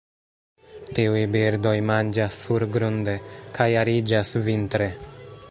Tiuj birdoj manĝas surgrunde, kaj ariĝas vintre.